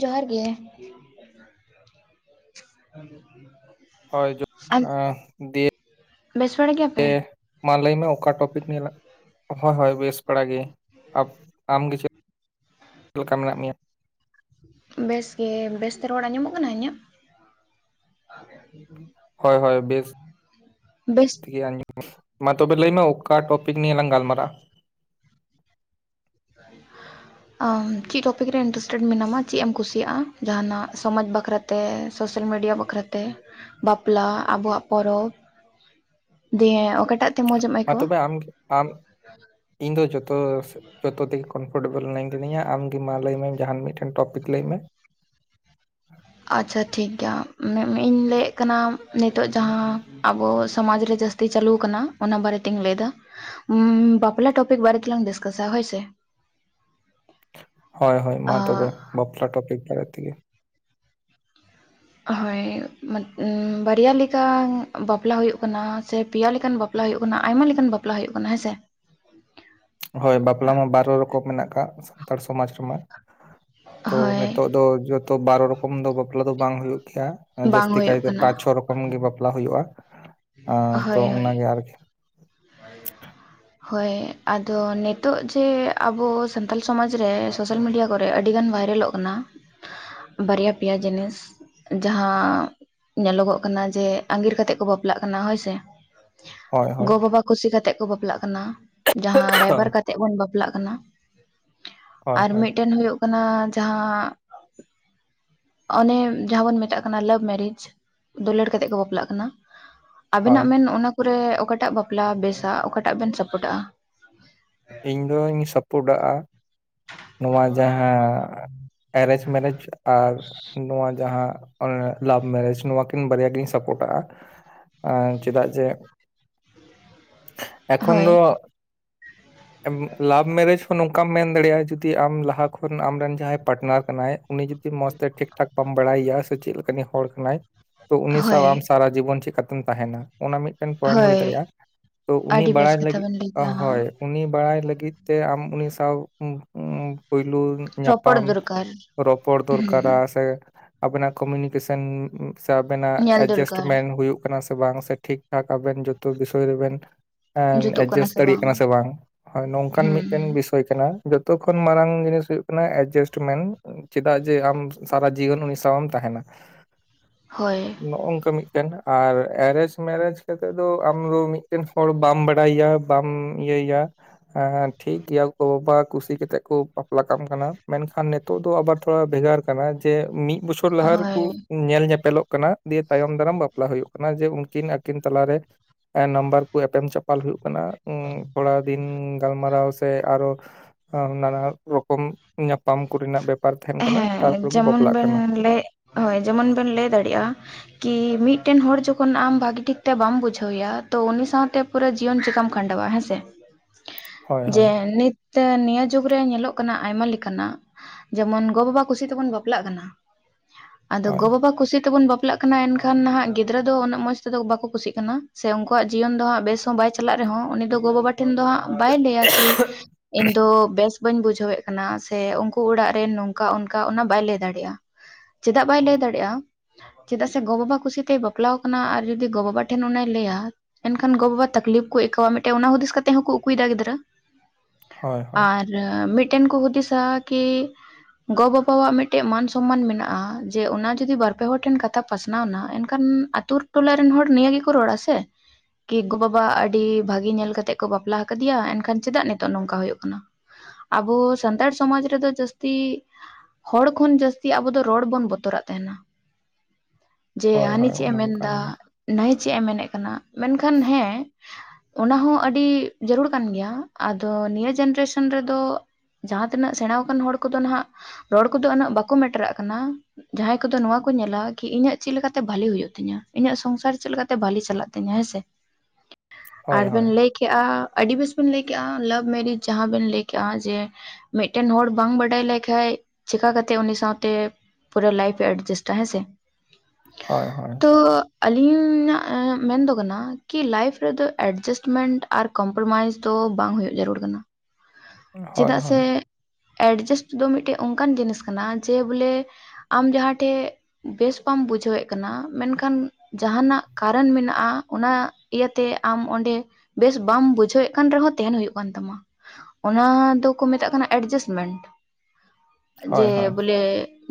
ᱡᱚᱦᱟᱨ ᱜᱮ [unintelligible] ᱼᱼ [unintelligible] ᱼᱼ ᱵᱮᱥ ᱵᱟᱲᱟ ᱜᱮᱭᱟᱯᱮ? ᱢᱟ ᱞᱟᱹᱭᱢᱮ ᱚᱠᱟ ᱴᱚᱯᱤᱠ ᱦᱳᱭ ᱦᱳᱭ ᱵᱮᱥ ᱵᱟᱲᱟᱜ ᱜᱮᱭᱟᱹᱧ ᱟᱢ ᱜᱮ ᱪᱮᱫ ᱞᱮᱠᱟ ᱢᱮᱱᱟᱜ ᱢᱮᱭᱟ? ᱵᱮᱥ ᱜᱮ ᱵᱮᱥᱛᱮ ᱨᱚᱲ ᱟᱸᱡᱚᱢᱚᱜ ᱠᱟᱱᱟ ᱤᱧᱟᱹᱜ? [unintelligible] ᱼᱼ ᱦᱳᱭ ᱦᱳᱭ ᱵᱮᱥ ᱵᱮᱥ ᱫᱷᱤᱭᱟᱱ ᱢᱟ ᱛᱚᱵᱮ ᱞᱟᱹᱭ ᱢᱮ ᱚᱠᱟ ᱴᱚᱯᱤᱠ ᱱᱤᱭᱟᱹ ᱞᱟᱝ ᱜᱟᱞ ᱢᱟᱨᱟᱜ ᱟ? ᱟᱢ ᱪᱮᱫ ᱴᱚᱯᱤᱠ ᱨᱮ ᱤᱱᱴᱟᱨᱮᱥᱴᱮᱰ ᱢᱮᱱᱟᱢᱟ ᱪᱮᱫ ᱮᱢ ᱠᱩᱥᱤᱭᱟᱜᱼᱟ ᱡᱟᱦᱟᱱᱟᱜ ᱥᱚᱢᱟᱡᱽ ᱵᱟᱠᱷᱨᱟ ᱛᱮ ᱥᱳᱥᱟᱞ ᱢᱤᱰᱤᱭᱟ ᱵᱟᱠᱷᱨᱟ ᱛᱮ ᱵᱟᱯᱞᱟ ᱟᱵᱚᱣᱟᱜ ᱯᱚᱨᱚᱵᱽ ᱫᱮᱭᱮ ᱚᱠᱟᱴᱟᱜ ᱛᱮ ᱢᱚᱡᱮᱢ ᱢᱟ ᱟᱹᱭᱠᱟᱹᱣᱟ? ᱛᱚᱵᱮ ᱟᱢ ᱟᱢ ᱤᱧ ᱫᱚ ᱡᱩᱛᱚ ᱡᱩᱛᱚ ᱛᱮᱜᱮ ᱠ ᱯᱷᱩᱴᱮᱵᱚᱞ ᱤᱱᱟᱹᱧ ᱠᱟᱹᱫᱤᱧᱟ ᱟᱢᱜᱮ ᱢᱟ ᱞᱟᱹᱭᱢᱮ ᱡᱟᱦᱟᱱ ᱢᱤᱫᱴᱮᱱ ᱴᱚᱯᱤᱠ ᱞᱟᱹᱭ ᱢᱮ ᱾ ᱟᱪᱪᱷᱟ ᱴᱷᱤᱠᱜᱮᱭᱟ ᱢᱮ ᱢᱤ ᱤᱧ ᱞᱟᱹᱭᱮᱫ ᱠᱟᱱᱟ ᱱᱤᱛᱚᱜ ᱡᱟᱦᱟᱸ ᱟᱵᱚ ᱥᱚᱢᱟᱡᱽ ᱨᱮ ᱡᱟᱹᱥᱛᱤ ᱪᱟᱹᱞᱩ ᱠᱟᱱᱟ ᱚᱱᱟ ᱵᱟᱨᱮ ᱛᱤᱧ ᱞᱟᱹᱭ ᱮᱫᱟ ᱾ ᱩᱸᱵᱟᱯᱞᱟ ᱴᱚᱯᱤᱠ ᱵᱟᱨᱮ ᱛᱮᱞᱟᱝ ᱰᱤᱥᱠᱟᱥᱟ ᱦᱳᱭ ᱥᱮ ᱾ ᱦᱳᱭ ᱦᱳᱭ ᱢᱟ ᱛᱚᱵᱮ ᱵᱟᱯᱞᱟ ᱴᱚᱯᱤᱠ ᱵᱟᱨᱮ ᱛᱮᱜᱮ ᱾ ᱦᱳᱭ ᱵᱟᱨᱭᱟ ᱞᱤᱠᱟ ᱵᱟᱯᱞᱟ ᱦᱩᱭᱩᱜ ᱠᱟᱱᱟ ᱥᱮ ᱯᱤᱭᱟ ᱞᱮᱠᱟᱱ ᱵᱟᱯ ᱯᱞᱟ ᱦᱩᱭᱩᱜ ᱠᱟᱱᱟ ᱟᱭᱢᱟ ᱞᱮᱠᱟᱱ ᱵᱟᱯᱞᱟ ᱦᱩᱭᱩᱜ ᱠᱟᱱᱟ ᱦᱮᱸ ᱥᱮ ᱾ ᱦᱳᱭ ᱵᱟᱯᱞᱟ ᱢᱟ ᱵᱟᱨᱚ ᱨᱚᱠᱚᱢ ᱢᱮᱱᱟᱜ ᱟᱠᱟᱜ ᱥᱟᱱᱛᱟᱲ ᱥᱚᱢᱟᱡᱽ ᱨᱮᱢᱟ ᱾ ᱛᱚ ᱦᱳᱭ ᱱᱤᱛᱚᱜ ᱫᱚ ᱡᱚᱛᱚ ᱵᱟᱨᱚ ᱨᱚᱠᱚᱢ ᱫᱚ ᱵᱟᱯᱞᱟ ᱫᱚ ᱵᱟᱝ ᱦᱩᱭᱩᱜ ᱜᱮᱭᱟ ᱾ ᱵᱟᱝ ᱡᱟᱹᱥᱛᱤ ᱦᱩᱭᱩᱜ ᱠᱟᱭᱛᱮ ᱠᱟᱱᱟ ᱯᱟᱸᱪ ᱪᱷᱚ ᱨᱚᱠᱚᱢ ᱜᱮ ᱵᱟᱯᱞᱟ ᱦᱩᱭᱩᱜᱼᱟ ᱟᱛᱚ ᱦᱳᱭ ᱦᱳᱭ ᱚᱱᱟᱜᱮ ᱟᱨᱠᱤ [unintelligible] ᱦᱳᱭ ᱟᱫᱚ ᱱᱤᱛᱚᱜ ᱡᱮ ᱟᱵᱚ ᱥᱟᱱᱛᱟᱞ ᱥᱚᱢᱟᱡᱽ ᱨᱮ ᱥᱳᱥᱟᱞ ᱢᱤᱰᱤᱭᱟ ᱠᱚᱨᱮ ᱟᱹᱰᱤ ᱜᱟᱱ ᱵᱷᱟᱭᱨᱟᱞᱚᱜ ᱠᱟᱱᱟ ᱵᱟᱨᱭᱟ ᱯᱮᱭᱟ ᱡᱤᱱᱤᱥ ᱡᱟᱦᱟᱸ ᱧᱮᱞᱚᱜᱚᱜ ᱠᱟᱱᱟ ᱡᱮ ᱟᱸᱜᱤᱨ ᱠᱟᱛᱮᱜ ᱠᱚ ᱵᱟᱯᱞᱟᱜ ᱠᱟᱱᱟ ᱦᱳᱭᱥᱮ ᱦᱳᱭ ᱦᱳᱭ ᱜᱚ ᱵᱟᱵᱟ ᱠᱩᱥᱤ ᱠᱟᱛᱮ ᱠᱚ ᱵᱟᱯᱞᱟᱜ ᱠᱟᱱᱟ ᱡᱟᱦᱟᱸ ᱨᱟᱭᱵᱟᱨ ᱠᱟᱛᱮ ᱛᱮᱜ ᱵᱚᱱ ᱵᱟᱯᱞᱟᱜ ᱠᱟᱱᱟ ᱦᱳᱭ ᱟᱨ ᱦᱳᱭ ᱢᱤᱫᱴᱮᱱ ᱦᱩᱭᱩᱜ ᱠᱟᱱᱟ ᱡᱟᱦᱟᱸ ᱚᱱᱮ ᱡᱟᱦᱟᱸ ᱵᱚᱱ ᱢᱮᱛᱟᱜ ᱠᱟᱱᱟ ᱞᱟᱵᱷ ᱢᱮᱨᱤᱡ ᱫᱩᱞᱟᱹᱲ ᱠᱟᱛᱮᱜ ᱠᱚ ᱵᱟᱯᱞᱟᱜ ᱠᱟᱱᱟ ᱦᱳᱭ ᱟᱵᱤᱱᱟᱜ ᱢᱮᱱ ᱚᱱᱟ ᱠᱚᱨᱮ ᱚᱠᱟᱴᱟᱜ ᱵᱟᱯᱞᱟ ᱵᱮᱥᱟ ᱚᱠᱟᱴᱟᱜ ᱵᱮᱱ ᱥᱟᱯᱚᱴᱟᱜᱼᱟ ᱤᱧ ᱫᱚᱧ ᱥᱟᱯᱩᱰᱟᱜᱼᱟ ᱱᱚᱣᱟ ᱡᱟᱦᱟᱸ ᱮᱨᱮᱧᱡᱽ ᱢᱮᱨᱮᱡᱽ ᱟᱨ ᱱᱚᱣᱟ ᱡᱟᱦᱟᱸ ᱞᱟᱵᱷ ᱢᱮᱨᱮᱡᱽ ᱱᱚᱣᱟ ᱠᱤᱱ ᱵᱟᱨᱭᱟ ᱜᱤᱧ ᱥᱟᱯᱳᱴᱟᱜᱼᱟ ᱟᱸ ᱪᱮᱫᱟᱜ ᱡᱮ ᱮᱠᱷᱚᱱ ᱫᱚ ᱦᱳᱭ ᱞᱟᱵᱷ ᱢᱮᱨᱮᱡᱽ ᱦᱚᱸ ᱱᱚᱝᱠᱟᱢ ᱢᱮᱱ ᱫᱟᱲᱮᱭᱟᱜᱼᱟ ᱡᱩ ᱫᱤ ᱟᱢ ᱞᱟᱦᱟ ᱠᱷᱚᱱ ᱟᱢᱨᱮᱱ ᱡᱟᱦᱟᱸᱭ ᱯᱟᱴᱱᱟᱨ ᱠᱟᱱᱟᱭ ᱩᱱᱤ ᱡᱩᱫ ᱢᱚᱸᱡᱽ ᱛᱮ ᱴᱷᱤᱠ ᱴᱷᱟᱠ ᱵᱟᱢ ᱵᱟᱲᱟᱭᱮᱭᱟ ᱥᱮ ᱪᱮᱫ ᱞᱮᱠᱟᱱᱤᱡ ᱦᱚᱲ ᱠᱟᱱᱟᱭ ᱛᱚ ᱩᱱᱤ ᱥᱟᱶ ᱦᱳᱭ ᱟᱢ ᱥᱟᱨᱟ ᱡᱤᱵᱚᱱ ᱪᱤᱠᱟ ᱛᱩᱢ ᱛᱟᱦᱮᱱᱟ ᱚᱱᱟ ᱢᱤᱫᱴᱮᱱ ᱯᱚᱭᱮᱱᱴ ᱦᱩᱭ ᱦᱳᱭ ᱫᱟᱲᱮᱭᱟᱜᱼᱟ ᱛᱚ ᱩᱱᱤ ᱟᱹᱰᱤ ᱵᱮᱥ ᱵᱟᱲᱟᱭ ᱠᱟᱛᱷᱟ ᱞᱟᱹᱜᱤᱫ ᱵᱮᱱ ᱞᱟᱹᱭ ᱠᱮᱜᱼᱟ ᱦᱟᱸ ᱦᱳᱭ ᱩᱱᱤ ᱵᱟᱲᱟᱭ ᱞᱟᱹᱜᱤᱫ ᱛᱮ ᱟᱢ ᱩᱱᱤ ᱥᱟᱶ ᱯᱳᱭᱞᱩ ᱨᱚᱯᱚᱲ ᱧᱟᱯᱟᱢ ᱫᱚᱨᱠᱟᱨ ᱨᱚᱯᱚᱲ ᱫᱚᱨᱠᱟᱨᱟ ᱦᱩᱸ ᱥᱮ ᱟᱵᱮᱱᱟᱜ ᱠᱩᱢᱤᱱᱤᱠᱮᱥᱮᱱ ᱥᱮ ᱟᱵᱮᱱᱟᱜ ᱧᱮᱞ ᱫᱚᱨᱠᱟᱨ ᱮᱡᱮᱥᱴᱢᱮᱱ ᱦᱩᱭᱩᱜ ᱠᱟᱱᱟ ᱥᱮ ᱵᱟᱝ ᱥᱮ ᱴᱷᱤᱠ ᱴᱷᱟᱠ ᱟᱵᱮᱱ ᱡᱩᱛᱚ ᱵᱤᱥᱚᱭ ᱨᱮᱵᱤᱱ [unintelligible] ᱫᱟᱲᱤᱜ ᱠᱟᱱᱟ ᱥᱮ ᱵᱟᱝ ᱦᱚᱭ ᱱᱚᱝᱠᱟᱱ ᱦᱩᱸ ᱢᱤᱫᱴᱮᱱ ᱦᱩᱸ ᱵᱤᱥᱚᱭ ᱠᱟᱱᱟ ᱛᱚᱠᱷᱚᱱ ᱢᱟᱨᱟᱝ ᱡᱤᱱᱤᱥ ᱦᱩᱭᱩᱜ ᱠᱟᱱᱟ ᱮᱰᱡᱟᱥᱴᱢᱮᱱ ᱪᱮᱫᱟᱜ ᱡᱮ ᱟᱢ ᱥᱟᱨᱟ ᱡᱤᱭᱚᱱ ᱩᱱᱤ ᱥᱟᱶ ᱮᱢ ᱛᱟᱸᱦᱮᱱᱟ ᱦᱳᱭ ᱱᱚᱜ ᱱᱚᱝᱠᱟ ᱢᱤᱫᱴᱮᱱ ᱟᱨ ᱮᱨᱮᱡᱽ ᱢᱮᱨᱮᱡᱽ ᱠᱟᱛᱮᱫ ᱫᱚ ᱟᱢᱫᱚ ᱢᱤᱫᱴᱮᱱ ᱦᱚᱲ ᱵᱟᱢ ᱵᱟᱰᱟᱭᱤᱭᱟ ᱵᱟᱢ ᱤᱭᱟᱹᱭᱟ ᱟᱸ ᱴᱷᱤᱠ ᱜᱮᱭᱟ ᱜᱚᱵᱟᱵᱟ ᱠᱩᱥᱤ ᱠᱟᱛᱮᱜ ᱠᱚ ᱵᱟᱯᱞᱟ ᱠᱟᱢ ᱠᱟᱱᱟ ᱢᱮᱱᱠᱷᱟᱱ ᱱᱤᱛᱚᱜ ᱫᱚ ᱟᱵᱟᱨ ᱛᱷᱚᱲᱟ ᱵᱷᱮᱜᱟᱨ ᱠᱟᱱᱟ ᱡᱮ ᱢᱤᱫ ᱵᱚᱪᱷᱚᱨ ᱞᱟᱦᱟ ᱨᱮᱠᱚ ᱦᱳᱭ ᱧᱮᱞ ᱧᱮᱯᱮᱞᱚᱜ ᱠᱟᱱᱟ ᱫᱤᱭᱮ ᱛᱟᱭᱚᱢ ᱫᱟᱨᱟᱢ ᱵᱟᱯᱞᱟ ᱦᱩᱭᱩᱜ ᱠᱟᱱᱟ ᱡᱮ ᱩᱱᱠᱤᱱ ᱟᱹᱠᱤᱱ ᱛᱟᱞᱟᱨᱮ ᱱᱟᱢᱵᱟᱨ ᱠᱚ ᱮᱯᱮᱢ ᱪᱟᱯ- ᱯᱟᱞ ᱦᱩᱭᱩᱜ ᱠᱟᱱᱟ ᱩᱸ ᱯᱚᱞᱟᱣ ᱫᱤᱱ ᱜᱟᱞᱢᱟᱨᱟᱣ ᱥᱮ ᱟᱨᱚ ᱱᱟᱱᱟ ᱨᱚᱠᱚᱢ ᱧᱟᱯᱟᱢ ᱠᱚᱨᱤᱱᱟᱜ ᱵᱮᱯ ᱦᱮᱸ ᱡᱮᱢᱚᱱ ᱵᱮᱱ ᱞᱟᱹᱭ ᱦᱳᱭ ᱡᱮᱢᱚᱱ ᱵᱮᱱ ᱞᱟᱹᱭ ᱫᱟᱲᱮᱭᱟᱜᱼᱟ ᱠᱤ ᱢᱤᱫᱴᱮᱱ ᱦᱚᱲ ᱡᱚᱠᱷᱚᱱ ᱟᱢ ᱵᱷᱟᱜᱤ ᱴᱷᱤᱠᱛᱮ ᱵᱟᱢ ᱵᱩᱡᱷᱟᱹᱣᱮᱭᱟ ᱛᱚ ᱩᱱᱤ ᱥᱟᱶᱛᱮ ᱯᱩᱨᱟᱹ ᱡᱤᱭᱚᱱ ᱪᱤᱠᱟᱢ ᱠᱷᱟᱸᱰᱟᱣᱟ ᱦᱮᱸ ᱥᱮ ᱦᱳᱭ ᱦᱳᱭ ᱡᱮ ᱱᱤᱛ ᱱᱤᱭᱟᱹ ᱡᱩᱜᱽᱨᱮ ᱧᱮᱞᱚᱜ ᱠᱟᱱᱟ ᱟᱭᱢᱟ ᱞᱮᱠᱟᱱᱟᱜ ᱡᱮᱢᱚᱱ ᱜᱚ ᱵᱟᱵᱟ ᱠᱩᱥᱤ ᱛᱮᱵᱚᱱ ᱵᱟᱯᱞᱟᱜ ᱠᱟᱱᱟ ᱟᱫᱚ ᱦᱳᱭ ᱜᱚ ᱵᱟᱵᱟ ᱠᱩᱥᱤ ᱛᱮᱵᱚᱱ ᱵᱟᱯ ᱵᱟᱯᱞᱟ ᱠᱟᱱᱟ ᱮᱱᱠᱷᱟᱱ ᱱᱟᱦᱟᱜ ᱜᱤᱫᱽᱨᱟᱹ ᱫᱚ ᱩᱱᱟᱹᱜ ᱢᱚᱡᱽ ᱛᱮᱫᱚ ᱵᱟᱠᱚ ᱠᱩᱥᱤᱜ ᱠᱟᱱᱟ ᱥᱮ ᱩᱱᱠᱩᱣᱟᱜ ᱡᱤᱭᱚᱱ ᱫᱚ ᱦᱟᱸᱜ ᱵᱮᱥ ᱦᱚᱸ ᱵᱟᱭ ᱪᱟᱞᱟᱜ ᱨᱮᱦᱚᱸ ᱩᱱᱤ ᱫᱚ ᱜᱚ ᱵᱟᱵᱟ ᱴᱷᱮᱱ ᱫᱚ ᱦᱟᱸᱜ ᱵᱟᱭ ᱞᱟᱹᱭᱟ ᱠᱤ ᱤᱧ ᱫᱚ ᱵᱮᱥ ᱵᱟᱹᱧ ᱵᱩᱡᱷᱟᱹᱣᱮᱫ ᱠᱟᱱᱟ ᱥᱮ ᱩᱱᱠᱩ ᱚᱲᱟᱜ ᱫᱮᱱ ᱱᱚᱝᱠᱟ ᱚᱱᱠᱟ ᱚᱱᱟ ᱵᱟᱭ ᱞᱟᱹᱭ ᱫᱟᱲᱮᱭᱟᱜᱼᱟ ᱪᱮᱫᱟᱜ ᱵᱟᱭ ᱞᱟᱹᱭ ᱫᱟᱲᱮᱭᱟᱜᱼᱟ ᱪᱮᱫᱟᱜ ᱥᱮ ᱜᱚ ᱵᱟᱵᱟ ᱠᱩᱥᱤᱛᱮᱭ ᱵᱟᱯᱞᱟ ᱟᱠᱟᱱᱟ ᱟᱨ ᱡᱩᱫᱤ ᱜᱚ ᱵᱟᱵᱟ ᱴᱷᱮᱱ ᱚᱱᱟᱭ ᱞᱟᱹᱭᱟ ᱮᱱᱠᱷᱟᱱ ᱜᱚ ᱵᱟᱵᱟ ᱛᱟᱠᱞᱤᱯ ᱠᱚ ᱟᱹᱭᱠᱟᱹᱣᱟ ᱢᱤᱫᱴᱮᱱ ᱚᱱᱟ ᱦᱩᱫᱤᱥ ᱠᱟᱛᱮ ᱦᱚᱸᱠᱚ ᱩᱠᱩᱭᱮᱫᱟ ᱜᱤᱫᱽᱨᱟᱹ ᱦᱳᱭ ᱦᱳᱭ ᱟᱨ ᱢᱤᱫᱴᱮᱱ ᱠᱚ ᱦᱩᱫᱤᱥᱟ ᱠᱤ ᱜᱚ ᱵᱟᱵᱟᱣᱟᱜ ᱢᱤᱫ ᱴᱟᱝ ᱢᱟᱱ ᱥᱚᱱᱢᱟᱱ ᱢᱮᱱᱟᱜᱼᱟ ᱡᱮ ᱚᱱᱟ ᱡᱩᱫᱤ ᱵᱟᱨ ᱯᱮ ᱦᱚᱲ ᱴᱷᱮᱱ ᱠᱟᱛᱷᱟ ᱯᱟᱥᱱᱟᱣ ᱮᱱᱟ ᱮᱱᱠᱷᱟᱱ ᱟᱛᱳ ᱴᱚᱞᱟ ᱨᱮᱱ ᱦᱚᱲ ᱱᱤᱭᱟᱹ ᱜᱮᱠᱚ ᱨᱚᱲᱟ ᱥᱮ ᱠᱤ ᱜᱚ ᱵᱟᱵᱟ ᱟᱹᱰᱤ ᱵᱷᱟᱜᱤ ᱧᱮᱞ ᱠᱟᱛᱮᱫ ᱠᱚ ᱵᱟᱯᱞᱟ ᱟᱠᱟᱫᱮᱭᱟ ᱮᱱᱠᱷᱟᱱ ᱪᱮᱫᱟᱜ ᱱᱤᱛᱚᱜ ᱱᱚᱝᱠᱟ ᱦᱩᱭᱩᱜ ᱠᱟᱱᱟ ᱟᱵᱚ ᱥᱟᱱᱛᱟᱲ ᱥᱚᱢᱟᱡᱽ ᱨᱮᱫᱚ ᱡᱟᱹᱥᱛᱤ ᱠᱤ ᱦᱚᱲ ᱠᱷᱚᱱ ᱡᱟᱹᱥᱛᱤ ᱟᱵᱚ ᱫᱚ ᱨᱚᱲ ᱵᱚᱱ ᱵᱚᱛᱚᱨᱟᱜ ᱛᱟᱦᱮᱱᱟ ᱡᱮ ᱦᱳᱭ ᱦᱟᱹᱱᱤ ᱦᱳᱭ ᱪᱮᱫ ᱮ ᱚᱱᱟ ᱢᱟ ᱠᱟᱱ ᱢᱮᱱᱫᱟ ᱜᱮ ᱱᱟᱭ ᱪᱮᱫ ᱮ ᱢᱮᱱᱮᱫ ᱠᱟᱱᱟ ᱢᱮᱱᱠᱷᱟᱱ ᱦᱮᱸ ᱚᱱᱟᱦᱚᱸ ᱟᱹᱰᱤ ᱡᱟᱹᱨᱩᱲ ᱠᱟᱱ ᱜᱮᱭᱟ ᱟᱫᱚ ᱱᱤᱭᱟᱹ ᱡᱮᱱᱟᱨᱮᱥᱚᱱ ᱨᱮᱫᱚ ᱡᱟᱦᱟᱸᱛᱤᱱᱟᱹᱜ ᱥᱮᱬᱟ ᱟᱠᱟᱱ ᱦᱚᱲ ᱠᱚᱫᱚ ᱦᱟᱜ ᱨᱚᱲ ᱠᱚᱫᱚ ᱩᱱᱟᱹᱜ ᱵᱟᱠᱚ ᱢᱮᱴᱮᱨᱟᱜ ᱠᱟᱱᱟ ᱡᱟᱦᱟᱸᱭ ᱠᱚᱫᱚ ᱱᱚᱣᱟ ᱠᱚ ᱧᱮᱞᱟ ᱠᱤ ᱤᱧᱟᱹᱜ ᱪᱮᱫᱮ ᱞᱮᱠᱟᱛᱮ ᱵᱷᱟᱞᱤ ᱦᱩᱭᱩᱜ ᱛᱤᱧᱟᱹ ᱤᱧᱟᱹᱜ ᱥᱚᱝᱥᱟᱨ ᱪᱮᱫᱞᱮᱠᱛᱮ ᱵᱷᱟᱞᱤ ᱪᱟᱞᱟᱜ ᱛᱤᱧᱟᱹ ᱦᱮᱸᱥᱮ [inaudible] ᱦᱳᱭ ᱟᱨ ᱦᱳᱭ ᱵᱮᱱ ᱞᱟᱹᱭ ᱠᱮᱜᱼᱟ ᱟᱹᱰᱤ ᱵᱮᱥ ᱵᱮᱱ ᱞᱟᱹᱭ ᱠᱮᱜᱼᱟ ᱞᱟᱵᱷ ᱢᱮᱨᱤᱡ ᱡᱟᱦᱟᱸ ᱵᱮᱱ ᱞᱟᱹᱭ ᱠᱮᱜᱼᱟ ᱡᱮ ᱢᱤᱫᱴᱮᱱ ᱦᱚᱲ ᱵᱟᱝ ᱵᱟᱲᱟᱡ ᱞᱮᱭ ᱞᱮᱠᱷᱟᱱᱡ ᱪᱤᱠᱟ ᱠᱟᱛᱮ ᱩᱱᱤ ᱥᱟᱶᱛᱮ ᱯᱩᱨᱟᱹ ᱞᱟᱭᱤᱯᱷ ᱮ ᱮᱰᱡᱟᱥᱴᱟ ᱦᱮᱸᱥᱮ ᱦᱚᱭ ᱦᱚᱭ ᱛᱚ ᱟᱹᱞᱤᱧᱟᱜ ᱢᱮᱱ ᱫᱚ ᱠᱟᱱᱟ ᱠᱤ ᱞᱟᱭᱤᱯᱷ ᱨᱮᱫᱚ ᱮᱰᱡᱟᱥᱴᱢᱮᱱᱴ ᱟᱨ ᱠᱚᱢᱯᱨᱳᱚᱢᱟᱭᱤᱡᱽ ᱫᱚ ᱵᱟᱝ ᱦᱩᱭᱩᱜ ᱡᱟᱹᱨᱩᱲ ᱠᱟᱱᱟ ᱦᱳᱭ ᱪᱮᱫᱟᱜ ᱥᱮ ᱦᱳᱭ ᱮᱰᱡᱟᱥᱴ ᱫᱚ ᱢᱤᱫᱴᱮᱡ ᱚᱱᱠᱟᱱ ᱡᱤᱱᱤᱥ ᱠᱟᱱᱟ ᱡᱮ ᱵᱚᱞᱮ ᱟᱢ ᱡᱟᱦᱟᱸ ᱴᱷᱮᱱ ᱵᱮᱥ ᱵᱟᱢ ᱵᱩᱡᱷᱟᱹᱣᱮᱫ ᱠᱟᱱᱟ ᱢᱮᱱᱠᱷᱟᱱ ᱡᱟᱦᱟᱱᱟᱜ ᱠᱟᱨᱟᱱ ᱢᱮᱱᱟᱜᱼᱟ ᱚᱱᱟ ᱤᱭᱟᱹᱛᱮ ᱟᱢ ᱚᱸᱰᱮ ᱵᱮᱥ ᱵᱟᱢ ᱵᱩᱡᱷᱟᱹᱣᱮᱫ ᱠᱟᱱ ᱨᱮᱦᱚᱸ ᱛᱟᱦᱮᱸᱱ ᱦᱩᱭᱩᱜ ᱠᱟᱱ ᱛᱟᱢᱟ ᱚᱱᱟ ᱫᱚᱠᱚ ᱢᱮᱛᱟᱜ ᱠᱟᱱᱟ ᱮᱰᱡᱟᱥᱢᱮᱱᱴ ᱡᱮ ᱦᱳᱭ ᱦᱳᱭ ᱵᱚᱞᱮ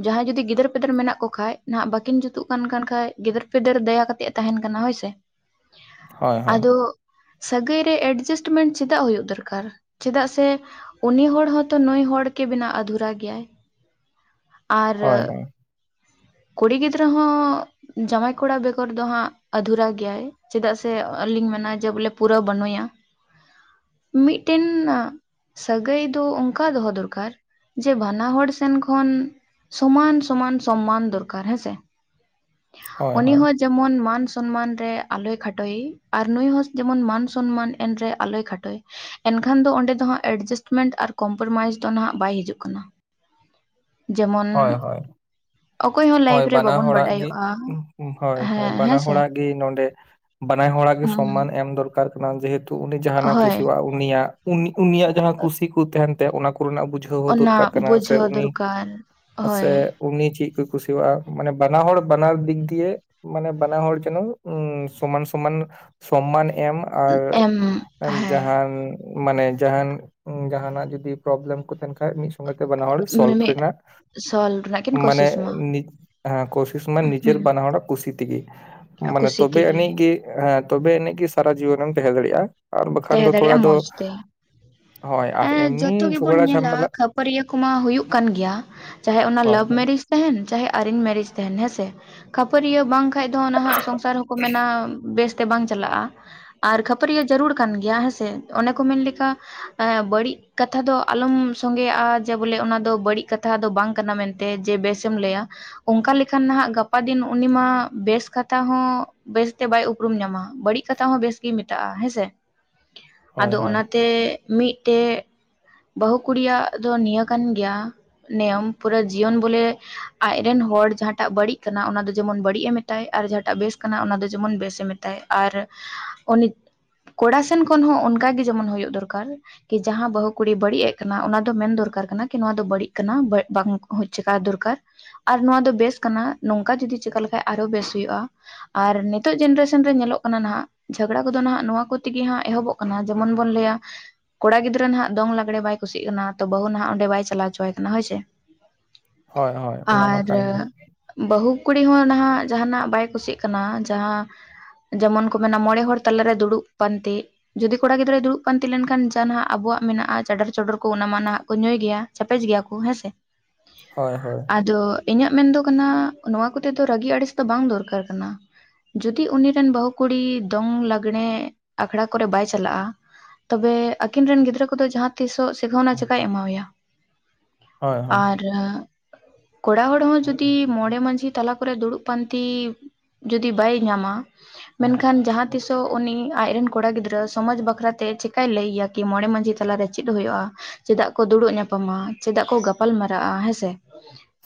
ᱡᱟᱦᱟᱸᱭ ᱡᱩᱫᱤ ᱜᱤᱫᱟᱹᱨ ᱯᱤᱫᱟᱹᱨ ᱢᱮᱱᱟᱜ ᱠᱚ ᱠᱷᱟᱱ ᱱᱟᱦᱟᱜ ᱵᱟᱹᱠᱤᱱ ᱡᱩᱛᱩᱜ ᱠᱟᱱ ᱠᱟᱱ ᱠᱷᱟᱡ ᱜᱤᱫᱟᱹᱨ ᱯᱤᱫᱟᱹᱨ ᱫᱟᱭᱟ ᱠᱟ ᱠᱟᱛᱮᱜ ᱮ ᱛᱟᱦᱮᱱ ᱠᱟᱱᱟ ᱦᱳᱭ ᱥᱮ ᱦᱳᱭ ᱦᱳᱭ ᱦᱳᱭ ᱟᱫᱚ ᱥᱟᱹᱜᱟᱹᱭ ᱨᱮ ᱮᱰᱡᱟᱥᱴᱢᱮᱱᱴ ᱪᱮᱫᱟᱜ ᱦᱩᱭᱩᱜ ᱫᱚᱨᱠᱟᱨ ᱪᱮᱫᱟᱜ ᱥᱮ ᱩᱱᱤ ᱦᱚᱲ ᱦᱚᱸᱛᱚ ᱱᱩᱭ ᱦᱚᱲ ᱜᱮ ᱵᱮᱱᱟᱜᱣ ᱟᱫᱷᱩᱨᱟ ᱜᱮᱭᱟᱭ ᱟᱨ ᱦᱳᱭ [inaudible] ᱠᱩᱲᱤ ᱜᱤᱫᱽᱨᱟᱹ ᱦᱚᱸ ᱡᱟᱶᱟᱭ ᱠᱚᱲᱟ ᱵᱮᱜᱚᱨ ᱫᱚ ᱦᱟᱸᱜ ᱟᱫᱷᱩᱨᱟ ᱜᱮᱭᱟᱭ ᱪᱮᱫᱟᱜ ᱥᱮ ᱟᱹᱞᱤᱧ ᱢᱮᱱᱟ ᱡᱮ ᱵᱚᱞᱮ ᱯᱩᱨᱟᱹ ᱵᱟᱹᱱᱩᱭᱟ [inaudible] ᱢᱤᱫᱴᱮᱱ ᱥᱟᱹᱜᱟᱹᱭ ᱫᱚ ᱚᱱᱠᱟ ᱫᱚᱦᱚ ᱫᱚᱨᱠᱟᱨ ᱡᱮ ᱵᱟᱱᱟ ᱦᱚᱲ ᱥᱮᱱ ᱠᱷᱚᱱ ᱥᱚᱢᱟᱱ ᱥᱚᱢᱟᱱ ᱥᱚᱱᱢᱟᱱ ᱫᱚᱨᱠᱟᱨ ᱦᱮᱸᱥᱮ ᱦᱳᱭ ᱦᱳᱭ ᱩᱱᱤ ᱦᱚᱸ ᱡᱮᱢᱚᱱ ᱢᱟᱱ ᱥᱚᱱᱢᱟᱱ ᱨᱮ ᱟᱞᱚᱭ ᱠᱷᱟᱴᱚᱭᱮ ᱟᱨ ᱱᱩᱭ ᱦᱚᱸ ᱡᱮᱢᱚᱱ ᱢᱟᱱ ᱥᱚᱱᱢᱟᱱ ᱮᱱ ᱨᱮ ᱟᱞᱚᱭ ᱠᱷᱟᱴᱚᱭ ᱮᱱᱠᱷᱟᱱ ᱫᱚ ᱚᱸᱰᱮ ᱫᱚᱦᱟᱸᱜ ᱮᱰᱡᱟᱥᱴᱢᱮᱱᱴ ᱟᱨ ᱠᱚᱢᱯᱨᱚᱢᱟᱭᱤᱡᱽ ᱫᱚ ᱱᱟᱦᱜ ᱵᱟᱭ ᱦᱤᱡᱩᱜ ᱠᱟᱱᱟ ᱡᱮᱢᱚᱱ ᱦᱳᱭ ᱦᱳᱭ ᱚᱠᱚᱭ ᱦᱚᱸ ᱦᱳᱭ ᱞᱟᱭᱤᱯᱷ ᱨᱮ ᱵᱟᱱᱟ ᱵᱟᱵᱚᱱ ᱦᱚᱲᱟᱜ ᱜᱮ ᱵᱟᱰᱟᱭᱚᱜᱼᱟ ᱦᱳᱭ ᱦᱳᱭ ᱦᱮᱸ ᱵᱟᱱᱟ ᱦᱮᱸᱥᱮ ᱦᱚᱲᱟᱜ ᱜᱮ ᱱᱚᱰᱮ ᱵᱟᱱᱟᱭ ᱦᱚᱲᱟᱜ ᱜᱮ ᱥᱚᱢᱢᱟᱱ ᱮᱢ ᱫᱚᱨᱠᱟᱨ ᱡᱮᱦᱮᱛᱩ ᱩᱱᱤ ᱡᱟᱦᱟᱱᱟᱜ ᱦᱳᱭ ᱠᱩᱥᱤᱼᱟ ᱩᱱᱤᱭᱟᱜ ᱩᱱᱤ ᱩᱱᱤᱭᱟᱜ ᱡᱟᱦᱟᱸ ᱠᱩᱥᱤ ᱠᱚ ᱛᱟᱦᱮᱱ ᱛᱮ ᱚᱱᱟ ᱠᱚᱱᱟᱜ ᱵᱩᱡᱷᱟᱹᱣ ᱦᱚᱸ ᱫᱚᱨᱠᱟᱨ ᱠᱟᱱᱟ ᱥᱮ ᱩᱱᱤ ᱟᱨ ᱥᱮ ᱩᱱᱤ ᱪᱮᱫ ᱠᱚᱭ ᱠᱩᱥᱤᱟᱜᱼᱟ ᱢᱟᱱᱮ ᱵᱟᱱᱟ ᱦᱚᱲᱚᱲ ᱵᱟᱱᱟᱨ ᱫᱤᱠᱜᱤᱭᱟ ᱢᱟᱱᱮ ᱵᱟᱱᱟ ᱦᱚᱲ ᱡᱮᱱᱚ ᱩ ᱥᱚᱢᱟᱱ ᱥᱚᱢᱟᱱ ᱥᱚᱢᱢᱟᱱ ᱮᱢ ᱟᱨ ᱮᱢ ᱦᱮᱸ ᱡᱟᱦᱟᱱ ᱢᱟᱱᱮ ᱡᱟᱦᱟᱱ ᱡᱟᱦᱱᱟᱜ ᱡᱚᱫᱤ ᱯᱨᱚᱵᱞᱮᱢ ᱠᱚ ᱛᱟᱦᱮᱱ ᱠᱷᱟᱱᱡ ᱢᱤᱫ ᱢᱤᱛ ᱛᱮ ᱵᱟᱱᱟ ᱦᱚᱲ ᱥᱚᱞᱯ ᱢᱤᱢᱤᱫ ᱨᱮᱱᱟᱜ ᱥᱚᱞ ᱨᱮᱱᱟᱜ ᱠᱤᱱ ᱢᱟᱱᱮ ᱠᱳᱥᱤᱥ ᱢᱟ ᱦᱮᱸ ᱠᱳᱥᱤᱥ ᱢᱟᱱᱮ ᱱᱤᱡᱮᱨ ᱦᱩᱸ ᱵᱟᱱᱟ ᱦᱚᱲᱟᱜ ᱠᱩᱥᱤ ᱛᱮᱜᱮ ᱢᱟᱱᱮ ᱠᱩᱥᱤ ᱛᱚᱵᱮ ᱛᱮᱜᱮ ᱟᱹᱱᱤᱡ ᱜᱮᱤ ᱦᱮᱸ ᱛᱚᱵᱮ ᱟᱹᱱᱤᱡ ᱜᱮᱤ ᱥᱟᱨᱟ ᱡᱤᱭᱚᱱᱮᱢ ᱛᱟᱦᱮᱸ ᱫᱟᱲᱮᱭᱟᱜᱼᱟ ᱟᱨ ᱵᱟᱠᱷᱟᱱ ᱫᱚ ᱛᱟᱦᱮᱸ ᱛᱷᱚᱲᱟ ᱫᱟᱲᱮᱭᱟᱜᱼᱟ ᱫᱚ ᱢᱚᱸᱡᱽ ᱛᱮ ᱦᱳᱭ ᱟᱨ ᱮᱢᱱᱤ ᱡᱷᱚᱜᱽᱲᱟ ᱡᱷᱟᱢᱮᱞᱟ ᱠᱷᱩᱯᱟᱹᱨᱤᱭᱟᱹ ᱠᱚᱢᱟ ᱦᱩᱭᱩᱜ ᱠᱟᱱ ᱜᱮᱭᱟ ᱡᱟᱦᱟᱸᱭ ᱚᱱᱟ ᱦᱳᱭ ᱞᱟᱵᱷ ᱦᱳᱭ ᱢᱮᱨᱤᱡ ᱛᱟᱦᱮᱱ ᱪᱟᱦᱮ ᱟᱨᱮᱧᱡ ᱢᱮᱨᱮᱡᱽ ᱛᱟᱦᱮᱱ ᱦᱮᱸᱥᱮ ᱠᱷᱟᱯᱟᱹᱨᱤᱭᱟᱹ ᱵᱟᱝ ᱵᱟ ᱠᱷᱟᱱ ᱫᱚ ᱱᱟᱦᱟᱜ ᱥᱚᱝᱥᱟᱨ ᱦᱚᱸᱠᱚ ᱢᱮᱱᱟ ᱵᱮᱥᱛᱮ ᱵᱟᱝ ᱪᱟᱞᱟᱜᱼᱟ ᱟᱨ ᱠᱷᱟᱹᱯᱟᱹᱨᱤᱭᱟᱹ ᱡᱟᱹᱨᱩᱲ ᱠᱟᱱᱟ ᱠᱟᱱ ᱜᱮᱭᱟ ᱦᱮᱸᱥᱮ ᱚᱱᱮ ᱠᱚ ᱢᱮᱱ ᱞᱮᱠᱟ ᱵᱟᱹᱲᱤᱡ ᱠᱟᱛᱷᱟ ᱫᱚ ᱟᱞᱚᱢ ᱥᱚᱝᱜᱮᱮᱜᱼᱟ ᱡᱮ ᱵᱚᱞᱮ ᱚᱱᱟ ᱫᱚ ᱵᱟᱹᱲᱤᱡ ᱠᱟᱛᱷᱟ ᱫᱚ ᱵᱟᱝ ᱠᱟᱱᱟ ᱢᱮᱱᱛᱮ ᱛᱮ ᱡᱮ ᱵᱮᱥᱮᱢ ᱞᱟᱹᱭᱟ ᱚᱱᱠᱟ ᱞᱮᱠᱷᱟᱱ ᱱᱟᱦᱟᱜ ᱜᱟᱯᱟ ᱫᱤᱱ ᱩᱱᱤ ᱢᱟ ᱵᱮᱥ ᱠᱟᱛᱷᱟ ᱦᱚᱸ ᱵᱮᱥᱛᱮ ᱵᱟᱭ ᱩᱯᱨᱩᱢ ᱧᱟᱢᱟ ᱵᱟᱹᱲᱤᱡ ᱠᱟᱛᱷᱟ ᱦᱚᱸ ᱵᱮᱥ ᱜᱮ ᱢᱮᱛᱟᱜᱼᱟ ᱦᱮᱸᱥᱮ ᱦᱳᱭ ᱟᱫᱚ ᱦᱳᱭ ᱚᱱᱟᱛᱮ ᱢᱤᱫᱴᱮᱜ ᱵᱟᱹᱦᱩ ᱠᱩᱲᱤᱭᱟᱜ ᱫᱚ ᱱᱤᱭᱟᱹ ᱠᱟᱱ ᱜᱮᱭᱟ ᱱᱤᱭᱚᱢ ᱯᱩᱨᱟᱹ ᱡᱤᱭᱚᱱ ᱵᱚᱞᱮ ᱟᱡᱨᱮᱱ ᱦᱚᱲ ᱡᱟᱦᱟᱸᱴᱟᱜ ᱵᱟᱹᱲᱤᱡ ᱠᱟᱱᱟ ᱚᱱᱟ ᱫᱚ ᱡᱮᱢᱚᱱ ᱵᱟᱹᱲᱤᱡ ᱮᱢ ᱢᱮᱛᱟᱭ ᱟᱨ ᱡᱟᱦᱟᱸᱴᱟᱜ ᱵᱮᱥ ᱠᱟᱱᱟ ᱚᱱᱟ ᱫᱚ ᱡᱮᱢᱚᱱ ᱵᱮᱥᱮ ᱢᱮᱛᱟᱭ ᱟᱨ ᱩᱱᱤ ᱠᱚᱲᱟ ᱥᱮᱱ ᱠᱷᱚᱱ ᱦᱚᱸ ᱚᱱᱠᱟᱜ ᱜᱮ ᱡᱮᱢᱚᱱ ᱦᱩᱭᱩᱜ ᱫᱚᱨᱠᱟᱨ ᱠᱤ ᱡᱟᱦᱟᱸ ᱵᱟᱹᱦᱩ ᱠᱩᱲᱤ ᱵᱟᱹᱲᱤᱡ ᱮᱜ ᱠᱟᱱᱟ ᱚᱱᱟ ᱫᱚ ᱢᱮᱱ ᱫᱚᱨᱠᱟᱨ ᱠᱟᱱᱟ ᱠᱤ ᱱᱚᱣᱟ ᱫᱚ ᱵᱟᱹᱲᱤᱡ ᱠᱟᱱᱟ ᱵᱟᱝ ᱪᱮᱠᱟ ᱫᱚᱨᱠᱟᱨ ᱟᱨ ᱱᱚᱣᱟ ᱫᱚ ᱵᱮᱥ ᱠᱟᱱᱟ ᱱᱚᱝᱠᱟ ᱡᱩᱚᱫᱤ ᱪᱤᱠᱟ ᱞᱮᱠᱟᱱ ᱟᱨᱚ ᱵᱮᱥ ᱦᱩᱭᱩᱜᱼᱟ᱾ ᱟᱨ ᱱᱤᱛᱚᱜ ᱡᱱᱟᱨᱮᱥᱚᱱ ᱨᱮ ᱧᱮᱞᱚᱜ ᱠᱟᱱᱟ ᱱᱟᱜ ᱡᱷᱚᱜᱽᱲᱟ ᱠᱚᱫᱚ ᱱᱟᱦᱟᱜ ᱱᱚᱣᱟ ᱠᱚ ᱛᱮᱜᱮ ᱦᱟᱸᱜ ᱮᱦᱚᱵᱚᱜ ᱠᱟᱱᱟ ᱡᱮᱢᱚᱱ ᱵᱚᱱ ᱞᱟᱹᱭᱟ ᱠᱚᱲᱟ ᱜᱤᱫᱽᱨᱟᱹ ᱦᱟᱜ ᱫᱚᱝ ᱞᱟᱜᱽᱲᱮ ᱵᱟᱭ ᱠᱩᱥᱤᱜ ᱠᱟᱱᱟ ᱛᱚ ᱵᱟᱹᱦᱩ ᱱᱟᱦᱟᱜ ᱚᱸᱰᱮ ᱵᱟᱭ ᱪᱟᱞᱟᱣ ᱪᱚᱟᱭ ᱠᱟᱱᱟ ᱦᱳᱭ ᱥᱮ ᱦᱳᱭ ᱦᱳᱭ ᱚᱱᱟ ᱢᱟ ᱟᱨ ᱠᱟᱱ ᱜᱮ ᱵᱟᱹᱦᱩ ᱠᱩᱲᱤ ᱦᱚᱸ ᱱᱟᱦᱟᱜ ᱡᱟᱸᱟᱱᱟᱜ ᱵᱟᱭ ᱠᱩᱥᱤᱜ ᱠᱟᱱᱟ ᱡᱟᱦᱟᱸ ᱡᱮᱢᱚᱱ ᱠᱚ ᱢᱮᱱᱟ ᱢᱚᱬᱮ ᱦᱚᱲ ᱛᱟᱞᱟᱨᱮ ᱫᱩᱲᱩᱵ ᱯᱟᱱᱛᱮ ᱡᱩᱫᱤ ᱠᱚᱲᱟ ᱜᱤᱫᱽᱨᱟᱹᱭ ᱫᱩᱲᱩᱵ ᱯᱟᱱᱛᱤ ᱞᱮᱱ ᱠᱷᱟᱱ ᱡᱟ ᱱᱟᱜ ᱟᱵᱚᱣᱟᱜ ᱢᱮᱱᱟᱜᱼᱟ ᱪᱟᱰᱟᱨ ᱪᱚᱰᱚᱨ ᱠᱚ ᱚᱱᱟ ᱢᱟ ᱱᱟᱦᱟᱜ ᱠᱚ ᱧᱩᱭ ᱜᱮᱭᱟ ᱪᱟᱯᱮᱡ ᱜᱮᱭᱟ ᱠᱚ ᱦᱮᱸ ᱥᱮ ᱦᱳᱭ ᱦᱳᱭ ᱟᱫᱚ ᱤᱧᱟᱹᱜ ᱢᱮᱱᱫᱚ ᱠᱟᱱᱟ ᱱᱚᱣᱟ ᱠᱚᱛᱮ ᱫᱚ ᱨᱟᱹᱜᱤ ᱟᱹᱲᱤᱥ ᱫᱚ ᱵᱟᱝ ᱫᱚᱨᱠᱟᱨ ᱠᱟᱱᱟ᱾ ᱡᱚᱫᱤ ᱩᱱᱤ ᱨᱮᱱ ᱵᱟᱹᱦᱩ ᱠᱩᱲᱤ ᱫᱚᱝ ᱞᱟᱜᱽᱲᱮ ᱟᱠᱷᱲᱟ ᱠᱚᱨᱮ ᱵᱟᱭ ᱪᱟᱞᱟᱜᱼᱟ ᱛᱚᱵᱮ ᱟᱹᱠᱤᱱ ᱨᱮᱱ ᱜᱤᱫᱽᱨᱟᱹ ᱠᱚᱫᱚ ᱡᱟᱦᱟᱸ ᱛᱤᱥᱚᱜ ᱥᱤᱜᱟᱹᱣᱱᱟ ᱪᱤᱠᱟᱭ ᱮᱢᱟᱣᱭᱟ ᱦᱳᱭ ᱦᱳᱭ ᱟᱨ ᱠᱚᱲᱟ ᱦᱚᱲ ᱦᱚᱸ ᱡᱩᱚᱫᱤ ᱢᱚᱲᱮ ᱢᱟᱺᱡᱷᱤ ᱛᱟᱞᱟ ᱠᱚᱨᱮ ᱫᱩᱲᱩᱵ ᱯᱟᱱᱛᱤ ᱡᱚᱫᱤ ᱵᱟᱭ ᱧᱟᱢᱟ ᱢᱮᱱᱠᱷᱟᱱ ᱡᱟᱦᱟᱸ ᱛᱤᱥᱚᱜ ᱩᱱᱤ ᱟᱡᱨᱮᱱ ᱠᱚᱲᱟ ᱜᱤᱫᱽᱨᱟᱹ ᱥᱚᱢᱟᱡᱽ ᱵᱟᱠᱷᱨᱟᱛᱮ ᱪᱤᱠᱟᱭ ᱞᱟᱹᱭ ᱟᱭᱟ, ᱠᱤ ᱢᱚᱬᱮ ᱢᱟᱺᱡᱷᱤ ᱛᱟᱞᱟᱨᱮ ᱪᱮᱫ ᱦᱩᱭᱩᱜᱼᱟ᱾ ᱪᱮᱫᱟᱜ ᱠᱚ ᱫᱩᱲᱩᱵ ᱧᱟᱯᱟᱢᱟ, ᱪᱮᱫᱟᱜ ᱠᱚ ᱜᱟᱯᱟᱞ ᱢᱟᱨᱟᱜᱼᱟ, ᱦᱮᱸᱥᱮ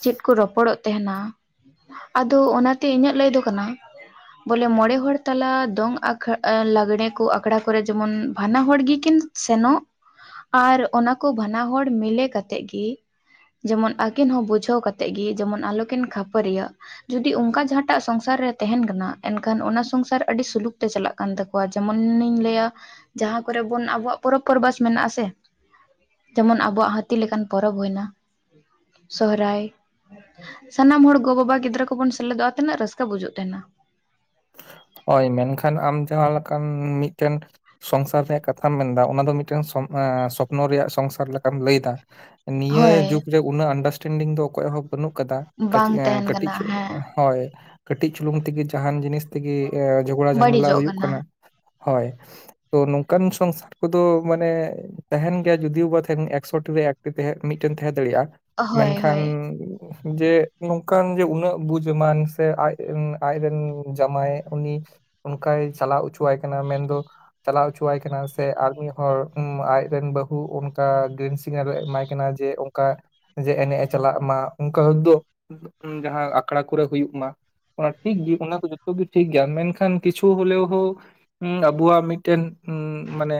ᱪᱮᱫ ᱠᱚ ᱨᱚᱯᱚᱲᱚᱜ ᱛᱟᱦᱮᱱᱟ ᱟᱫᱚ ᱚᱱᱟᱛᱮ ᱤᱧᱟᱹᱜ ᱞᱟᱹᱭ ᱫᱚ ᱠᱟᱱᱟ ᱵᱚᱞᱮ ᱢᱚᱚᱲᱮ ᱦᱚᱲ ᱛᱟᱞᱟ ᱫᱚᱝ ᱟᱠᱷᱲᱟ ᱟᱜᱲᱮ ᱠᱚ ᱟᱠᱷᱲᱟ ᱠᱚᱨᱮ ᱡᱮᱢᱚᱱ ᱵᱟᱱᱟ ᱦᱚᱲ ᱜᱮᱠᱤᱱ ᱥᱮᱱᱚᱜ ᱟᱨ ᱚᱱᱟᱠᱚ ᱵᱟᱱᱟ ᱦᱚᱲ ᱢᱤᱞᱮ ᱠᱟᱛᱮᱫ ᱜᱮ ᱡᱮᱢᱚᱱ ᱟᱹᱠᱤᱱ ᱦᱚᱸ ᱵᱩᱡᱷᱟᱹᱣ ᱠᱟᱛᱮᱜ ᱜᱮ ᱡᱮᱢᱚᱱ ᱟᱞᱚᱠᱤᱱ ᱠᱷᱟᱹᱯᱟᱹᱨᱤᱭᱟᱜ ᱡᱩᱫᱤ ᱚᱱᱠᱟ ᱡᱟᱦᱟᱸᱴᱟᱜ ᱥᱚᱝᱥᱟᱨ ᱨᱮ ᱛᱟᱦᱮᱱ ᱠᱟᱱᱟ ᱮᱱᱠᱷᱟᱱ ᱚᱱᱟ ᱥᱚᱝᱥᱟᱨ ᱟᱹᱰᱤ ᱥᱩᱞᱩᱠ ᱛᱮ ᱪᱟᱞᱟᱜ ᱠᱟᱱ ᱛᱟᱠᱚᱣᱟ ᱡᱮᱢᱚᱱᱤᱧ ᱞᱟᱹᱭᱟ ᱡᱟᱦᱟᱸ ᱠᱚᱨᱮ ᱵᱚᱱ ᱟᱵᱚᱣᱟᱜ ᱯᱚᱨᱚᱵᱽ ᱯᱚᱨᱵᱟᱥ ᱢᱮᱱᱟᱜ ᱟᱥᱮ ᱡᱮᱢᱚᱱ ᱟᱵᱚᱣᱟᱜ ᱦᱟᱹᱛᱤ ᱞᱮᱠᱟᱱ ᱯᱚᱨᱚᱵᱽ ᱦᱩᱭᱱᱟ, ᱥᱚᱦᱨᱟᱭ ᱥᱟᱱᱟᱢ ᱦᱚᱲ ᱜᱚᱼᱵᱟᱵᱟ ᱜᱤᱫᱽᱨᱟᱹ ᱠᱚᱵᱚᱱ ᱥᱮᱞᱮᱫᱚᱜᱼᱟ ᱛᱤᱱᱟᱹᱜ ᱨᱟᱹᱥᱠᱟᱹ ᱵᱩᱡᱩᱜ ᱛᱟᱦᱮᱱᱟ ᱦᱳᱭ ᱢᱮᱱᱠᱷᱟᱱ ᱟᱢ ᱡᱟᱦᱟᱸᱞᱮᱠᱟᱱ ᱢᱤᱫᱴᱮᱱ ᱥᱚᱝᱥᱟᱨ ᱨᱮᱭᱟᱜ ᱠᱟᱛᱷᱟᱢ ᱢᱮᱱᱫᱟ ᱚᱱᱟ ᱫᱚ ᱢᱤᱫᱴᱮᱱ ᱥᱚᱯᱱᱚ ᱨᱮᱭᱟᱜ ᱥᱚᱝᱥᱟᱨ ᱞᱮᱠᱟᱢ ᱞᱟᱹᱭᱫᱟ ᱱᱤᱭᱟᱹ ᱦᱳᱭ ᱡᱩᱜᱽ ᱨᱮ ᱩᱱᱟᱹᱜ ᱟᱱᱰᱟᱨᱥᱴᱮᱱᱰᱤᱝ ᱫᱚ ᱚᱠᱚᱭᱟᱜ ᱦᱚᱸ ᱵᱟᱹᱱᱩᱜ ᱟᱠᱟᱫᱟ᱾ ᱵᱟᱝ [unintelligible] ᱛᱟᱦᱮᱱ ᱠᱟᱱᱟ ᱠᱟᱹᱴᱤᱡᱪᱚ ᱦᱮᱸ ᱦᱳᱭ ᱠᱟᱹᱴᱤᱡ ᱪᱩᱞᱩᱝ ᱛᱮᱜᱮ ᱡᱟᱦᱟᱱ ᱡᱤᱱᱤᱥ ᱛᱮᱜᱮ ᱡᱷᱚᱜᱽᱲᱟ ᱡᱷᱟᱢᱮᱞᱟ ᱦᱩᱭᱩᱜ ᱠᱟᱱᱟ, ᱦᱳᱭ ᱛᱚ ᱱᱚᱝᱠᱟᱱ ᱥᱚᱝᱥᱟᱨ ᱱᱩᱠᱚᱫᱚ ᱢᱟᱱᱮ ᱛᱟᱦᱮᱱ ᱜᱮᱭᱟ ᱡᱩᱫᱤᱭᱚ ᱵᱟ ᱛᱟᱦᱮᱱ ᱮᱠᱥᱚ ᱴᱤ ᱨᱮ ᱮᱠᱴᱤ ᱢᱤᱫᱴᱮᱱ ᱛᱟᱦᱮᱸ ᱫᱟᱲᱮᱭᱟᱜᱼᱟ ᱦᱳᱭ ᱢᱮᱱᱠᱷᱟᱱ ᱦᱳᱭ ᱡᱮ ᱱᱚᱝᱠᱟᱱ ᱡᱮ ᱩᱱᱟᱹᱜ ᱵᱩᱡᱢᱟᱱ ᱥᱮ ᱟᱡ ᱟᱡ ᱨᱮᱱ ᱡᱟᱢᱟᱭ ᱩᱱᱤ ᱚᱱᱠᱟᱭ ᱪᱟᱞᱟᱣ ᱦᱚᱪᱚᱣᱟᱭ ᱠᱟᱱᱟ ᱢᱮᱱᱫᱚ ᱪᱟᱞᱟᱣ ᱦᱚᱪᱚᱣᱟᱭ ᱠᱟᱱᱟ ᱥᱮ ᱟᱨᱢᱤ ᱦᱚᱲ ᱟᱡᱨᱮᱱ ᱵᱟᱹᱦᱩ ᱚᱱᱠᱟ ᱥᱤᱜᱽᱱᱮᱞ ᱮᱢᱟᱭ ᱠᱟᱱᱟ ᱡᱮ ᱚᱱᱠᱟ ᱡᱮ ᱮᱱᱮᱡ ᱮ ᱪᱟᱞᱟᱜ ᱢᱟ ᱚᱱᱠᱟ ᱫᱚ ᱡᱟᱦᱟᱸ ᱟᱠᱷᱲᱟ ᱠᱚᱨᱮ ᱦᱩᱭᱩᱜ ᱢᱟ ᱚᱱᱟ ᱴᱷᱤᱠ ᱜᱮ ᱚᱱᱟ ᱠᱚ ᱡᱚᱛᱚ ᱡᱚᱛᱚ ᱴᱷᱤᱠ ᱜᱮᱭᱟ ᱢᱮᱱᱠᱷᱟᱱ ᱠᱤᱪᱷᱩ ᱦᱚᱞᱮ ᱦᱚᱸ ᱟᱵᱚᱣᱟᱜ ᱢᱤᱫᱴᱮᱱ ᱢᱟᱱᱮ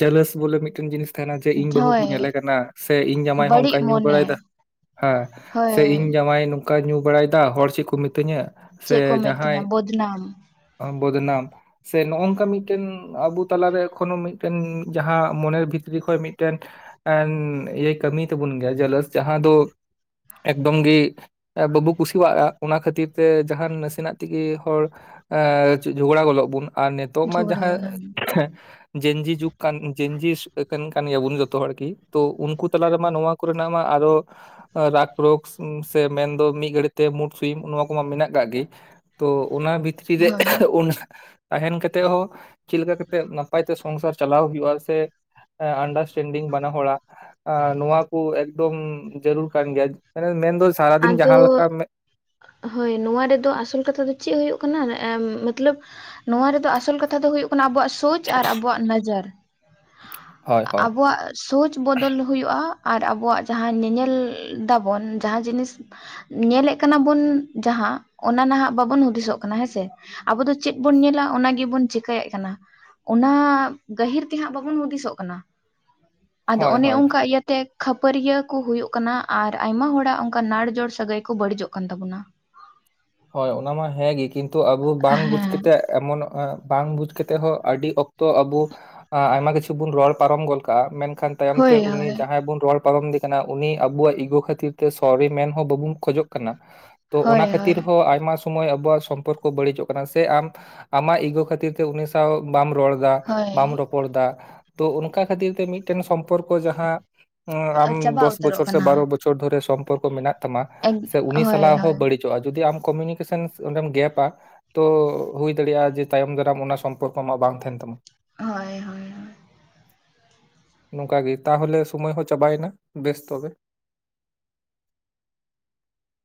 ᱡᱟᱞᱮᱥ ᱵᱚᱞᱮ ᱢᱤᱫᱴᱮᱱ ᱡᱤᱱᱤᱥ ᱛᱟᱦᱮᱸᱱᱟ ᱡᱮ ᱤᱧ ᱵᱟᱹᱦᱩ ᱠᱚ ᱦᱳᱭ ᱧᱮᱞᱮ ᱠᱟᱱᱟ ᱥᱮ ᱤᱧ ᱡᱟᱢᱟᱭ ᱦᱚᱸ ᱵᱟᱹᱲᱤᱡ ᱚᱱᱠᱟᱧ ᱧᱩ ᱢᱚᱱᱮ ᱵᱟᱲᱟᱭᱮᱫᱟ ᱦᱮᱸ ᱦᱳᱭ ᱥᱮ ᱤᱧ ᱡᱟᱶᱟᱭ ᱱᱚᱝᱠᱟ ᱧᱩ ᱵᱟᱲᱟᱭᱮᱫᱟ ᱦᱚᱲ ᱪᱮᱫ ᱠᱚ ᱢᱤᱛᱟᱹᱧᱟ ᱥᱮ ᱪᱮᱫ ᱠᱚ ᱢᱮᱱ ᱡᱟᱦᱟᱸᱭ ᱛᱟᱹᱦᱱᱟ ᱵᱚᱫᱱᱟᱢ ᱵᱚᱫᱱᱟᱢ ᱥᱮ ᱱᱚᱜᱝᱠᱟ ᱢᱤᱫᱴᱮᱱ ᱟᱵᱚ ᱛᱟᱞᱟᱨᱮ ᱮᱠᱷᱚᱱᱳ ᱢᱤᱫᱴᱮᱱ ᱡᱟᱦᱟᱸ ᱢᱚᱱᱮᱨ ᱵᱷᱤᱛᱨᱤ ᱠᱷᱚᱱ ᱢᱤᱫᱴᱮᱱ ᱮ ᱤᱭᱟᱹ ᱠᱟᱹᱢᱤ ᱛᱟᱵᱚᱱ ᱜᱮᱭᱟ ᱡᱚᱞᱥ ᱡᱟᱦᱟᱸ ᱫᱚ ᱮᱠᱫᱚᱢ ᱜᱤ ᱵᱟᱵᱩ ᱠᱩᱥᱤᱭᱟᱜᱼᱟ ᱚᱱᱟ ᱠᱷᱟᱹᱛᱤᱨ ᱛᱮ ᱡᱟᱦᱟᱱ ᱱᱟᱥᱮᱱᱟᱜ ᱛᱮᱜᱮ ᱦᱚᱲ ᱮᱸ ᱡᱷᱚᱜᱽᱲᱟ ᱜᱚᱫᱚᱜ ᱵᱚᱱ ᱟᱨ ᱱᱤᱛᱳᱜ ᱢᱟ ᱡᱷᱚᱜᱽᱲᱟ ᱡᱟᱦᱟᱸ ᱡᱮᱧᱡᱤ ᱡᱩᱜᱽ ᱠᱟᱱ ᱡᱮᱧᱡᱤ ᱠᱟᱱ ᱜᱮᱭᱟᱵᱚᱱ ᱡᱚᱛᱚ ᱦᱚᱲᱠᱤ ᱛᱚ ᱩᱱᱠᱩ ᱛᱟᱞᱟᱨᱮᱢᱟ ᱱᱚᱣᱟ ᱠᱚᱨᱮᱱᱟᱜ ᱢᱟ ᱟᱫᱚ ᱨᱟᱜᱽ ᱨᱳᱠᱥ ᱥᱮ ᱢᱮᱱᱫᱚ ᱢᱤᱫ ᱜᱷᱟᱹᱲᱤᱛᱮ ᱢᱩᱴ ᱥᱩᱭᱤᱢ ᱱᱚᱣᱟ ᱠᱚᱢᱟ ᱢᱮᱱᱟᱜ ᱠᱟᱜ ᱜᱮ ᱾ ᱛᱚ ᱚᱱᱟ ᱵᱷᱤᱛᱨᱤ ᱨᱮ ᱦᱳᱭ ᱛᱟᱦᱮᱱ ᱠᱟᱛᱮᱜ ᱦᱚᱸ ᱪᱮᱫ ᱞᱮᱠᱟ ᱠᱟᱛᱮᱜ ᱱᱟᱯᱟᱭᱛᱮ ᱥᱚᱝᱥᱟᱨ ᱪᱟᱞᱟᱣ ᱦᱩᱭᱩᱜᱼᱟ ᱥᱮ ᱟᱱᱰᱟᱨᱥᱴᱮᱱᱰᱤᱝ ᱵᱟᱱᱟ ᱦᱚᱲᱟᱜ ᱱᱚᱶᱟ ᱠᱚ ᱮᱠᱫᱚᱢ ᱡᱟᱹᱨᱩᱲ ᱠᱟᱱ ᱜᱮᱭᱟ ᱢᱟᱱᱮ ᱢᱮᱱ ᱟᱫᱚ ᱦᱳᱭ ᱱᱚᱣᱟ ᱨᱮᱫᱚ ᱟᱥᱚᱞ ᱠᱟᱛᱷᱟ ᱫᱚ ᱪᱮᱫ ᱦᱩᱭᱩᱜ ᱠᱟᱱᱟ ᱢᱚᱛᱞᱚᱵ ᱱᱚᱣᱟ ᱨᱮᱫᱚ ᱟᱥᱚᱞ ᱠᱟᱛᱷᱟ ᱫᱚ ᱦᱳᱭᱳᱜ ᱠᱟᱱᱟ ᱟᱵᱚᱣᱟᱜ ᱥᱚᱪ ᱟᱨ ᱟᱵᱚᱣᱟᱜ ᱱᱚᱡᱟᱨ ᱦᱳᱭ ᱾ ᱦᱳᱭ ᱟᱵᱚᱣᱟᱜ ᱥᱚᱪ ᱵᱚᱫᱚᱞ ᱦᱩᱭᱩᱜᱳᱜᱼᱟ ᱟᱨ ᱟᱵᱚᱣᱟᱜ ᱡᱟᱦᱟᱸ ᱧᱮᱧᱮᱞ ᱫᱟᱵᱚᱱ ᱡᱟᱦᱟᱸ ᱡᱤᱱᱤᱥ ᱧᱮᱞᱮᱫ ᱠᱟᱱᱟ ᱵᱚᱱ ᱡᱟᱦᱟᱸ ᱚᱱᱟ ᱱᱟᱦᱟᱜ ᱵᱟᱵᱚᱱ ᱦᱩᱫᱤᱥᱚᱜ ᱠᱟᱱᱟ ᱦᱮᱸᱥᱮ ᱾ ᱟᱵᱚ ᱫᱚ ᱪᱮᱫ ᱵᱚᱱ ᱧᱮᱞᱟ ᱚᱱᱟ ᱜᱮᱵᱚᱱ ᱪᱤᱠᱟᱭᱮᱫ ᱠᱟᱱᱟ ᱾ ᱚᱱᱟ ᱜᱟᱹᱦᱤᱨ ᱛᱮᱦᱟᱸᱜ ᱵᱟᱵᱚᱱ ᱦᱩᱫᱤᱥᱚᱜ ᱠᱟᱱᱟ ᱾ ᱟᱫᱚ ᱦᱳᱭ ᱚᱱᱮ ᱦᱳᱭ ᱚᱱᱠᱟ ᱤᱭᱟᱹᱛᱮ ᱠᱷᱟᱹᱯᱟᱹᱨᱤᱭᱟᱹ ᱠᱚ ᱦᱩᱭᱩᱜ ᱠᱟᱱᱟ ᱟᱨ ᱟᱭᱢᱟ ᱦᱚᱲᱟᱜ ᱾ ᱚᱱᱠᱟ ᱱᱟᱲᱡᱚᱲ ᱥᱟᱹᱜᱟᱹᱭ ᱠᱚ ᱵᱟᱹᱲᱤᱡᱚᱜ ᱠᱟᱱ ᱛᱟᱵᱚᱱᱟ ᱾ ᱦᱳᱭ ᱚᱱᱟ ᱢᱟ ᱦᱮᱸ ᱜᱮ ᱠᱤᱱᱛᱩ ᱟᱵᱚ ᱵᱟᱝ ᱦᱮᱸ ᱵᱩᱡᱽᱠᱟᱛᱮᱫ ᱾ ᱮᱢᱚᱱ ᱵᱟᱝ ᱵᱩᱡᱽᱠᱟᱛᱮᱫ ᱦᱚᱸ ᱟᱹᱰᱤ ᱚᱠᱛᱚ ᱟᱵᱚ ᱟᱭᱢᱟ ᱠᱤᱪᱷᱩ ᱵᱩᱱ ᱨᱚᱲ ᱯᱟᱨᱚᱢ ᱜᱚᱫ ᱠᱟᱜᱼᱟ ᱢᱮᱱᱠᱷᱟᱱ ᱛᱟᱭᱚᱢ ᱛᱮ ᱦᱳᱭ ᱩᱱᱤ ᱦᱳᱭ ᱡᱟᱦᱟᱸᱭ ᱵᱚᱱ ᱨᱚᱲ ᱯᱟᱨᱚᱢᱫᱮ ᱠᱟᱱᱟ ᱩᱱᱤ ᱟᱵᱚᱣᱟᱜ ᱤᱜᱚ ᱠᱷᱟᱹᱛᱤᱨ ᱛᱮ ᱥᱚᱵᱷᱤᱢᱟᱱ ᱦᱚᱸ ᱵᱟᱵᱚᱱ ᱠᱷᱚᱡᱚᱜ ᱠᱟᱱᱟ ᱛᱚ ᱚᱱᱟ ᱦᱳᱭ ᱠᱷᱟᱹᱛᱤᱨ ᱦᱳᱭ ᱟᱭᱢᱟ ᱥᱚᱢᱚᱭ ᱟᱵᱚᱣᱟᱜ ᱥᱚᱢᱯᱚᱨᱠᱚ ᱵᱟᱹᱲᱤᱡᱚᱜ ᱠᱟᱱᱟ ᱥᱮ ᱟᱢ ᱟᱢᱟᱜ ᱤᱜᱚ ᱠᱷᱟᱛᱤᱨ ᱛᱮ ᱩᱱᱤ ᱥᱟᱶ ᱵᱟᱢ ᱨᱚᱲ ᱫᱟ ᱵᱟᱢ ᱨᱚᱯᱚᱲ ᱮᱫᱟ ᱛᱚ ᱚᱱᱠᱟ ᱠᱷᱟᱹᱛᱤᱨ ᱛᱮ ᱢᱤᱫᱴᱮᱱ ᱥᱚᱢᱯᱚᱨᱠᱚ ᱡᱟᱦᱟᱸ ᱦᱳᱭ ᱟᱢ ᱪᱟᱵᱟ ᱫᱚᱥ ᱩᱛᱟᱹᱨᱚᱜ ᱵᱚᱪᱷᱚᱨ ᱥᱮ ᱠᱟᱱᱟ ᱵᱟᱨᱚ ᱵᱚᱪᱷᱚᱨ ᱫᱷᱚᱨᱮ ᱥᱚᱢᱯᱚᱨᱠᱚ ᱢᱮᱱᱟᱜ ᱛᱟᱢᱟ ᱮᱠ ᱥᱮ ᱩᱱᱤ ᱦᱳᱭ ᱥᱟᱞᱟᱜ ᱦᱚᱸ ᱦᱳᱭ ᱵᱟᱹᱲᱤᱡᱚᱼᱟ ᱾ ᱡᱩᱫᱤ ᱟᱢ ᱠᱚᱢᱤᱱᱤᱠᱮᱥᱚᱱ ᱚᱸᱰᱮᱢ ᱜᱮᱯᱟ ᱛᱚ ᱦᱩᱭ ᱫᱟᱲᱮᱭᱟᱜᱼᱟ ᱡᱮ ᱛᱟᱭᱚᱢ ᱫᱟᱨᱟᱢ ᱚᱱᱟ ᱥᱚᱢᱯᱚᱨᱠᱚ ᱟᱢᱟ ᱵᱟᱝ ᱛᱟᱦᱮᱱ ᱛᱟᱢᱟ ᱾ ᱦᱳᱭ ᱦᱳᱭ ᱦᱳᱭ ᱱᱚᱝᱠᱟ ᱜᱮ ᱛᱟᱦᱚᱞᱮ ᱥᱳᱢᱳᱭ ᱦᱚᱸ ᱪᱟᱵᱟᱭᱮᱱᱟ ᱵᱮᱥ ᱛᱚᱵᱮ ᱾